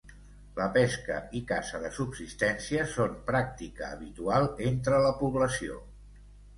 La pesca i caça de subsistència són pràctica habitual entre la població.